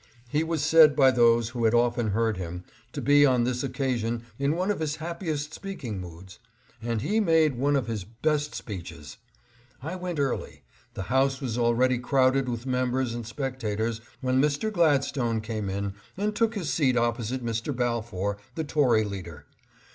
He was said by those who had often heard him to be on this occasion in one of his happiest speaking moods, and he made one of his best speeches. I went early. The House was already crowded with members and specta tors when Mr. Gladstone came in and took his seat opposite Mr. Balfour, the Tory leader.